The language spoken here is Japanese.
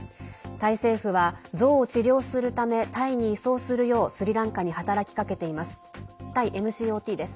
タイ政府はゾウを治療するためタイに移送するようスリランカに働きかけています。